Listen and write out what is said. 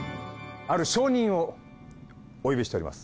ある証人をお呼びしております。